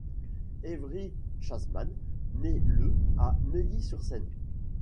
Evry Schatzman naît le à Neuilly-sur-Seine.